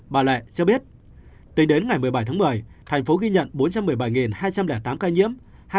bà lệ cho biết tính đến ngày một mươi bảy tháng một mươi thành phố ghi nhận bốn trăm một mươi bảy hai trăm linh tám ca nhiễm